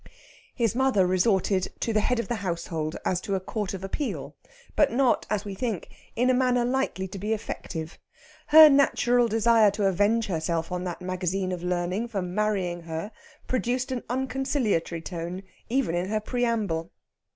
His mother resorted to the head of the household as to a Court of Appeal, but not, as we think, in a manner likely to be effective. Her natural desire to avenge herself on that magazine of learning for marrying her produced an unconciliatory tone, even in her preamble.